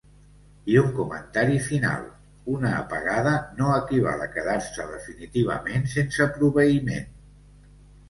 I un comentari final: una apagada no equival a quedar-se definitivament sense proveïment.